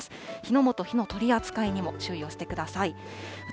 火の元、火の取り扱いにも注意をしてください。